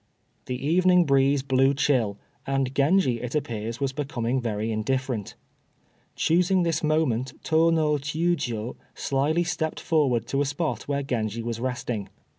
The evening breeze blew chill, and Genji it appears was becoming very indifferent. Choosing this moment Tô no Chiûjiô slyly stepped forth to the spot where Genji was resting.